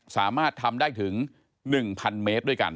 สามารถทำได้ถึง๑๐๐เมตรด้วยกัน